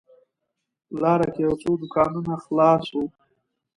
لاره کې یو څو دوکانونه خلاص و.